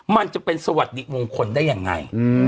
มันจะเป็นสวัสดีมงคลได้ยังไง